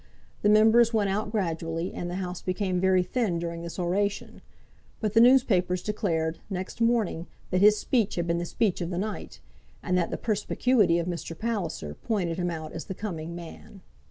The Members went out gradually, and the House became very thin during this oration; but the newspapers declared, next morning, that his speech had been the speech of the night, and that the perspicuity of Mr. Palliser pointed him out as the coming man.